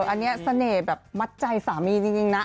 อันนี้เสน่ห์แบบมัดใจสามีจริงนะ